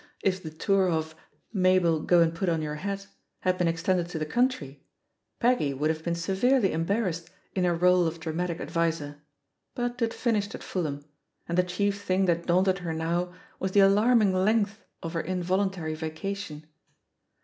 If the tour of Mabel, Go and Put On Yofwr Hat had been extended to the country, Veggy would have been severely embarrassed in her role of W JTHE POSITION OF PEGGY HARPER ;ic adviser^ but it finished at Fulham; and the chief thing that daunted her now was the alarming length of her involuntary vacation.